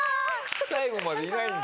最後までいないんだ。